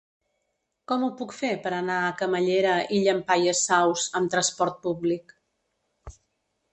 Com ho puc fer per anar a Camallera i Llampaies Saus amb trasport públic?